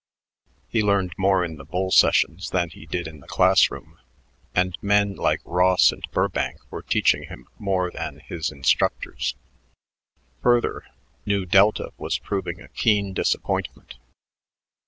He learned more in the bull sessions than he did in the class room, and men like Ross and Burbank were teaching him more than his instructors. Further, Nu Delta was proving a keen disappointment.